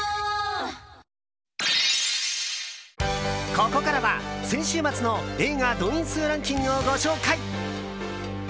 ここからは、先週末の映画動員数ランキングをご紹介。